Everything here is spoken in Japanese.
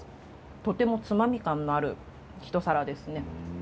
とてもツマミ感のある一皿ですね。